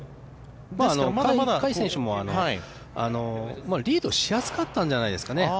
甲斐選手もリードしやすかったんじゃないですかね。